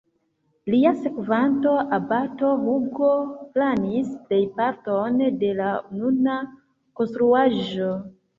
Lia sekvanto, abato Hugo, planis plejparton de la nuna konstruaĵo.